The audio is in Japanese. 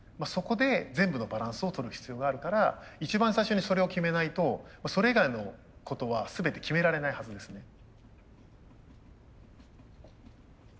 そこで全部のバランスをとる必要があるから一番最初にそれを決めないとそれ以外のことは全て決められないはずですね。